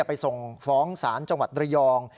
ไปส่งฟ้องศาลจังหวัดระยอง